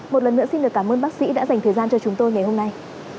một lần nữa xin được cảm ơn bác sĩ đã dành thời gian cho chúng tôi ngày hôm nay